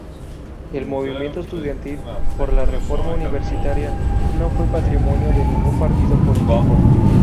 El movimiento estudiantil por la "Reforma Universitaria" no fue patrimonio de ningún partido político.